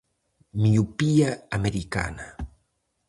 Miopía americana.